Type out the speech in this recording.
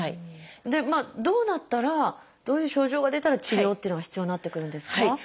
どうなったらどういう症状が出たら治療っていうのが必要になってくるんですか？